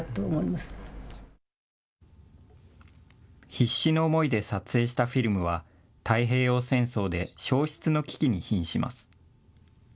必死の思いで撮影したフィルムは太平洋戦争で焼失の危機にひんします。